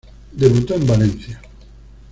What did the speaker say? Debutó en Valencia.